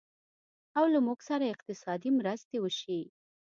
او له موږ سره اقتصادي مرستې وشي